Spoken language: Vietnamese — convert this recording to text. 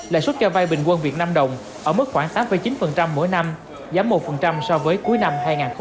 lại suất cho vay bình quân việt nam đồng ở mức khoảng tám chín mỗi năm giảm một so với cuối năm hai nghìn hai mươi ba